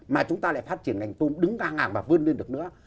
mà chúng ta lại phát triển ngành tôm đứng ngang ngàng và vươn lên được nữa